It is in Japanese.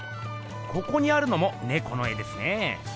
ここにあるのも猫の絵ですね。